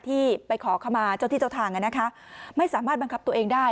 ที่ไปขอขมาเจ้าที่เจ้าทางอ่ะนะคะไม่สามารถบังคับตัวเองได้